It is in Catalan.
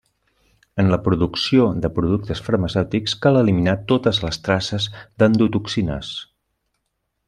En la producció de productes farmacèutics cal eliminar totes les traces d'endotoxines.